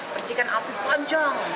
percikan api panjang